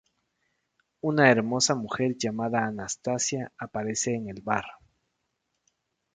Una hermosa mujer llamada Anastasia aparece en el bar.